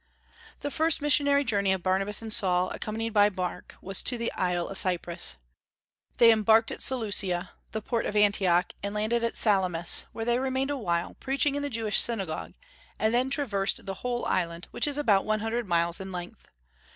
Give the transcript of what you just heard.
The first missionary journey of Barnabas and Saul, accompanied by Mark, was to the isle of Cyprus. They embarked at Seleucia, the port of Antioch, and landed at Salamis, where they remained awhile, preaching in the Jewish synagogue, and then traversed the whole island, which is about one hundred miles in length.